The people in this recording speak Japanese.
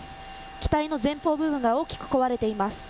機体の前方部分が大きく壊れています。